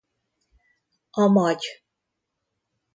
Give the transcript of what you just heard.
A magy.